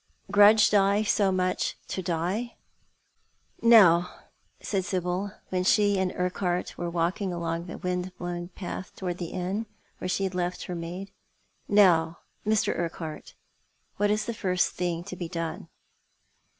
"GRUDGED I so MUCH TO DIE?" " Now," said Sibyl, when she and Urquhart were walking along the windblown path towards the inn where she had left her maid, " now, Mr. Urquhart, what is the first thing to be done